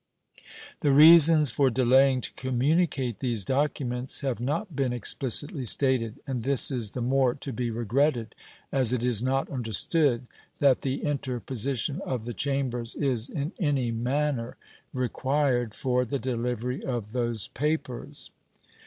The reasons for delaying to communicate these documents have not been explicitly stated, and this is the more to be regretted as it is not understood that the interposition of the Chambers is in any manner required for the delivery of those papers.